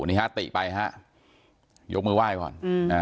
นี่ค่ะติไปยกมือไหว้ก่อน